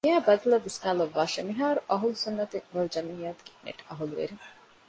މިއައި ބަދަލަށް ވިސްނަވާލައްވާށެވެ! މިހާރު އަހުލުއްސުންނަތި ވަލްޖަމާޢަތިއަކީ ނެޓްގެ އަހުލުވެރިން